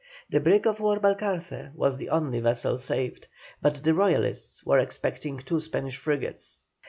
The brig of war Balcarce was the only vessel saved, but the Royalists were expecting two Spanish frigates.